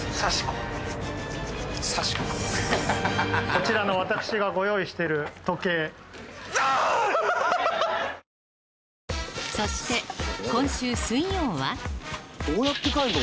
こちらの私がご用意してる時計そして今週水曜はどうやって帰んの？